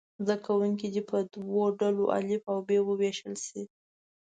زده کوونکي دې په دوو ډلو الف او ب وویشل شي.